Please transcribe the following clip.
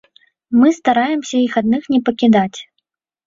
Мы стараемся іх адных не пакідаць.